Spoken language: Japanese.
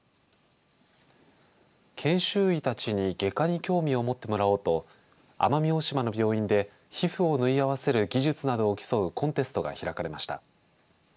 研修医たちに外科に興味を持ってもらおうと奄美大島の病院で皮膚を縫い合わせる技術などを競うコンテストが開かれました。